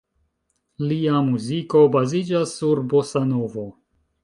Lia muziko baziĝas sur bosanovo.